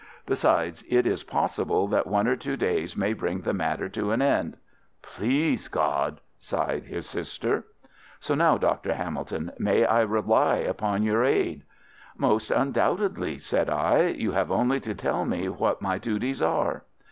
Besides, it is possible that one or two days may bring the matter to an end." "Please God!" sighed his sister. "So now, Dr. Hamilton, may I rely upon your aid?" "Most undoubtedly," said I. "You have only to tell me what my duties are."